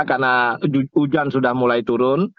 karena hujan sudah mulai turun